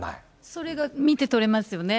それが見て取れますよね。